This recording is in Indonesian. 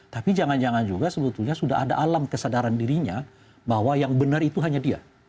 tapi jangan jangan juga sebetulnya sudah ada alam kesadaran dirinya bahwa yang benar itu hanya dia